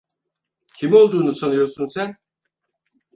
Kim olduğunu sanıyorsun sen?